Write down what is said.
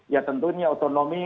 ya tentunya otonomi